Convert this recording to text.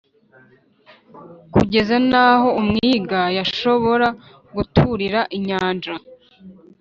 kugeza n’aho umwiga yashobora guturira inyanja.